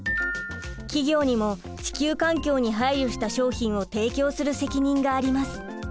企業にも地球環境に配慮した商品を提供する責任があります。